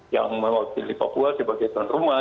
yang memilih papua sebagai tuhan rumah